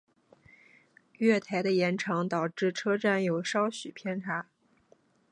月台的延长导致车站有少许偏差。